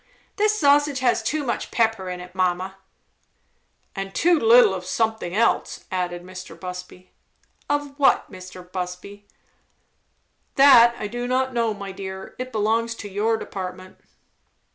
"This sausage has too much pepper in it, mamma." "And too little of something else," added Mr. Busby. "Of what, Mr. Busby?" "That I do not know, my dear; it belongs to your department."